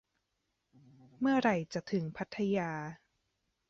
เมื่อไหร่จะถึงพัทยา